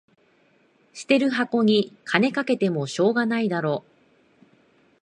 捨てる箱に金かけてもしょうがないだろ